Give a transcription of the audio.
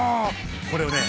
これをね